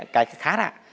cái khác ạ